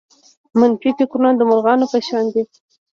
منفي فکرونه د مرغانو په شان دي.